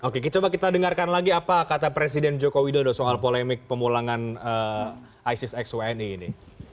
oke coba kita dengarkan lagi apa kata presiden joko widodo soal polemik pemulangan isis x wni ini